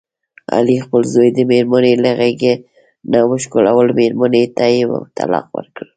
علي خپل زوی د مېرمني له غېږې نه وشکولو، مېرمنې ته یې طلاق ورکړ.